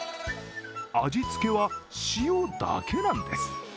味付けは塩だけなんです。